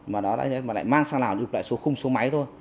mà nó lại mang sang lào lại xô khung xô máy thôi